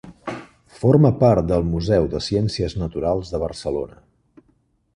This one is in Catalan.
Forma part del Museu de Ciències Naturals de Barcelona.